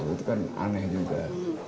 itu kan aneh juga